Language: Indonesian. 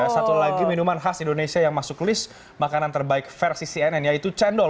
satu lagi minuman khas indonesia yang masuk list makanan terbaik versi cnn yaitu cendol